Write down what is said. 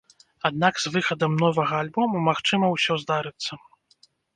Аднак, з выхадам новага альбома, магчыма, усё здарыцца.